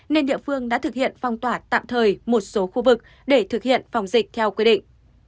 nên địa phương đã thực hiện phong tỏa tạm thời một số khu vực để thực hiện phòng dịch theo quy định